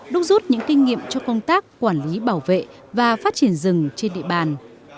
đúc rút những kinh nghiệm cho công tác quản lý bảo vệ và phát triển rừng trên địa bàn